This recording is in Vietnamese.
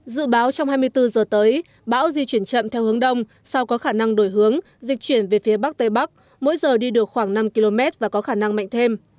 dự báo trong hai mươi bốn giờ tới bão di chuyển chậm theo hướng đông sau có khả năng đổi hướng di chuyển về phía bắc tây bắc mỗi giờ đi được khoảng năm km và có khả năng mạnh thêm